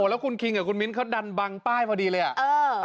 แล้วคุณคิงกับคุณมิ้นเขาดันบังป้ายพอดีเลยอ่ะ